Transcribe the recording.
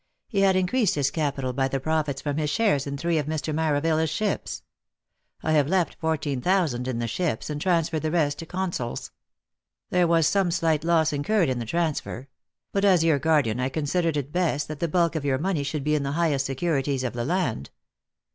He had increased his capital by the profits from his shares in three of Mr. Maravilla's ships. I have left fourteen thousand in the ships, and transferred the rest to Con sols. There was some slight loss incurred in the transfer; but as your guardian I considered it best that the bulk of your money should be in the highest securities of the land.